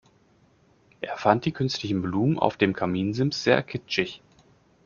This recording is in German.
Er fand die künstlichen Blumen auf dem Kaminsims sehr kitschig.